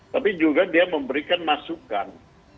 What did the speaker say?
tapi juga dia memberikan masukan